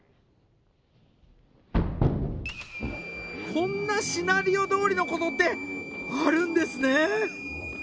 こんなシナリオどおりのことってあるんですね